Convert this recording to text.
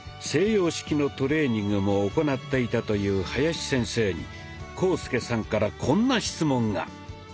西洋式のトレーニングも行っていたという林先生に浩介さんからこんな質問が。